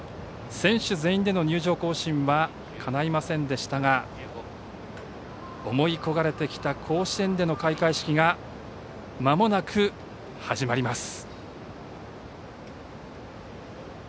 選手全員での入場行進はかないませんでしたが思い焦がれてきた甲子園での開会式がまもなく始まります。